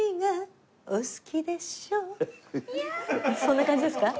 そんな感じですか？